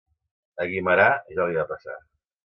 A Guimerà ja li va passar.